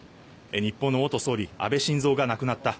日本の元総理、安倍晋三が亡くなった。